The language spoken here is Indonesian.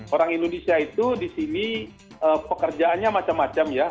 orang indonesia itu di sini pekerjaannya macam macam ya